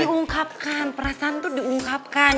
diungkapkan perasaan tuh diungkapkan